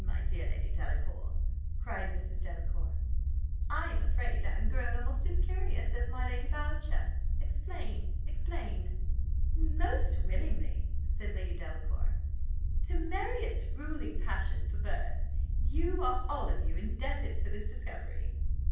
my dear Lady Delacour," cried Mrs. Delacour: "I am afraid I am grown almost as curious as my Lady Boucher. Explain! explain!" "Most willingly," said Lady Delacour. "To Marriott's ruling passion for birds you are all of you indebted for this discovery.